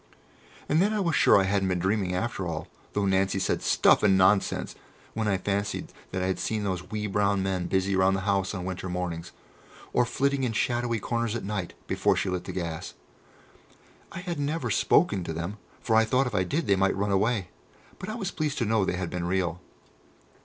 And then I was sure that I hadn't been dreaming after all, though Nancy said, "Stuff and Nonsense," when I fancied that I had seen those wee brown men busy about the house on winter mornings, or flitting in shadowy corners at night, before she lit the gas. I had never spoken to them, for I thought if I did they might run away; but I was pleased to know they had been real.